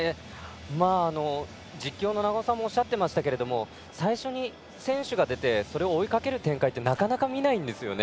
解説の永尾さんもおっしゃっていましたが最初に、選手が出てそれを追いかける展開ってなかなか見ないんですね。